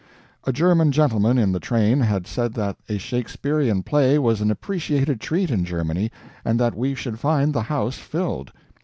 A German gentleman in the train had said that a Shakespearian play was an appreciated treat in Germany and that we should find the house filled.